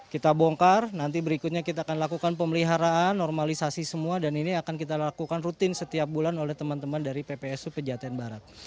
kita bongkar nanti berikutnya kita akan lakukan pemeliharaan normalisasi semua dan ini akan kita lakukan rutin setiap bulan oleh teman teman dari ppsu pejaten barat